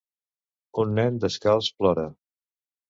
Un nen descalç plora.